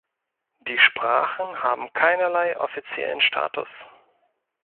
Die Sprachen haben keinerlei offiziellen Status.